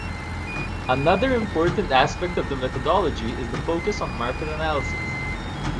Another important aspect of the methodology is the focus on market analysis.